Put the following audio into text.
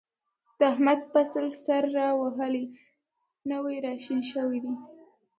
د احمد فصل سر را وهلی، نوی را شین شوی دی.